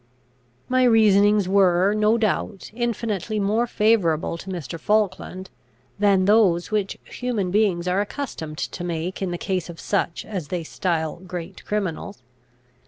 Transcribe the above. My reasonings were, no doubt, infinitely more favourable to Mr. Falkland, than those which human beings are accustomed to make in the case of such as they style great criminals.